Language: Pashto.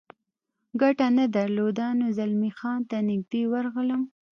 ګټه نه درلوده، نو زلمی خان ته نږدې ورغلم.